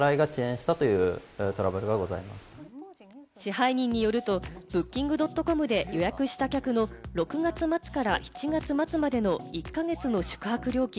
支配人によるとＢｏｏｋｉｎｇ．ｃｏｍで予約した客の６月末から７月末までの１か月の宿泊料金